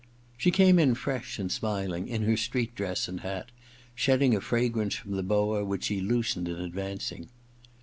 She came in fresh and smiling, in her street dress and hat, shedding a fragrance from the boa which she loosened in advancing.